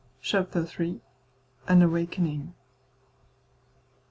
CHAPTER III. AN AWAKENING.